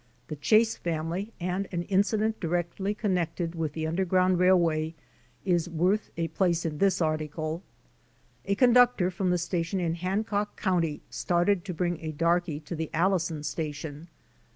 The Chase family and an incident directly connected with the Underground Eailway is worth a place in this article. A conductor from the station in Hancock county started to bring a darkey to the Allison station.